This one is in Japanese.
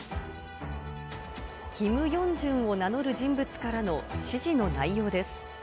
キム・ヨンジュンを名乗る人物からの指示の内容です。